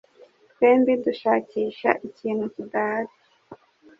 Twembi dushakisha ikintu kidahari.